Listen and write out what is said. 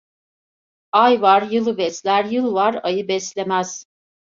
Ay var yılı besler, yıl var ayı beslemez.